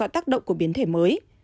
họ đã tìm ra các tác động của biến thể mới